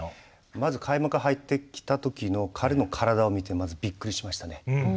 まず開幕入ってきたときの彼の体を見てびっくりしましたね。